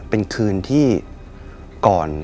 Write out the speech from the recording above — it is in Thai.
เป็นคืนที่ก่อน